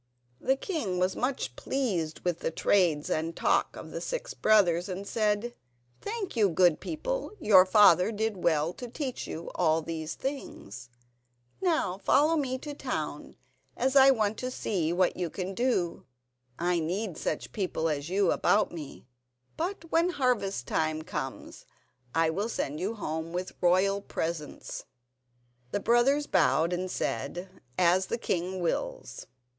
The king was much pleased with the trades and talk of the six brothers, and said: "Thank you, good people; your father did well to teach you all these things. Now follow me to the town, as I want to see what you can do. I need such people as you about me; but when harvest time comes I will send you home with royal presents." The brothers bowed and said: "As the king wills."